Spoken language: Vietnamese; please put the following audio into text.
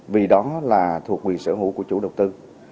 vì đó là thuộc quyền sở hữu của chủ đầu tư